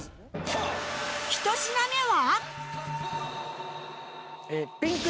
１品目は？